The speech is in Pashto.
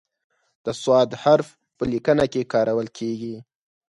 د "ص" حرف په لیکنه کې کارول کیږي.